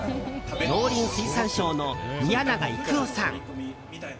農林水産省の宮長郁夫さん。